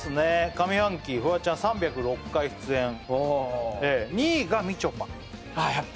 上半期フワちゃん３０６回出演２位がみちょぱ